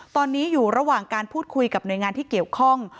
ตอนนี้อยู่ระหว่างการพูดคุยกับหน่วยงานที่เกี่ยวข้อง